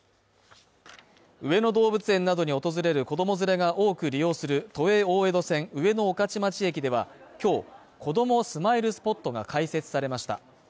上野動物園などに訪れる子供連れが多く利用する都営大江戸線上野御徒町駅では、今日こどもスマイルスポットが開設されました。